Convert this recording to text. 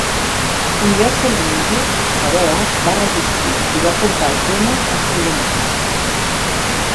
Universal Music, però, va resistir i va portar el tema als tribunals.